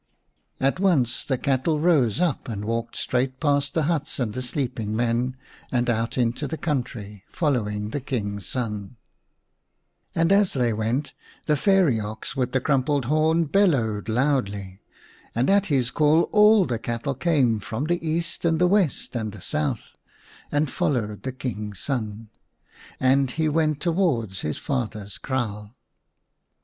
At once the cattle rose up and walked straight past the huts and the sleeping men and out into the country, follow ing the King's son ; and as they went the fairy 23 The King's Son n ox with the crumpled horn bellowed loudly, and at his call all the cattle came from the east and the west and the south, 1 and followed the King's son. And he went towards his father's kraal.